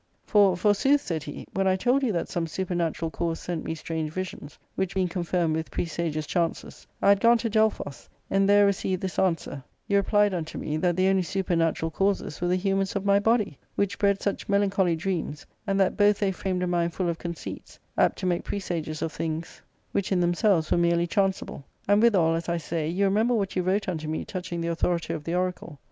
" For, forsooth," said he, " when I told you that some super natural cause sent me strange visions, which being confirmed with presagious chances, I had gone to Delphos, and there received this answer, you replied unto me that the only super natural causes were the humours of my body, which bred such melancholy dreams, and that both they framed a mind full of conceits, apt to make presages of things which in ARCADIA.— Book II. 231 themselves were merely chanceable ; and withal, as I say, you remember what you wrote unto me touching the autho rity of the oracle.